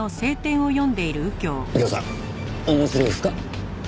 右京さん面白いですか？